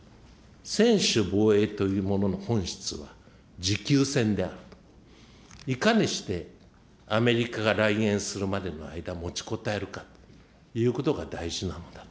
専守防衛というものの本質は、持久戦である、いかにしてアメリカが来現するまでの間、持ちこたえるかということが大事なのだと。